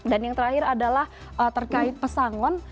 dan yang terakhir adalah terkait pesangon